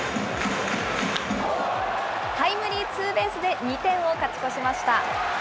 タイムリーツーベースで２点を勝ち越しました。